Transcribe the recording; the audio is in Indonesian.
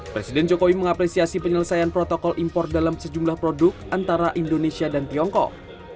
presiden jokowi mengapresiasi penyelesaian protokol impor dalam sejumlah produk antara indonesia dan tiongkok